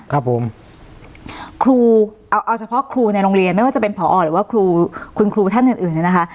ครับผมครูเอาเอาเฉพาะครูในโรงเรียนไม่ว่าจะเป็นผอหรือว่าครูคุณครูท่านอื่นอื่นเนี่ยนะคะ